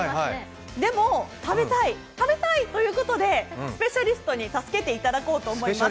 でも、食べたい、食べたい！ということで、スペシャリストに助けていただこうと思います